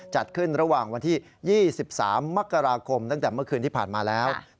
จัดขึ้นระหว่างวันที่๒๓มกราคมตั้งแต่เมื่อคืนที่ผ่านมาแล้ว